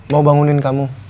mau bangunin kamu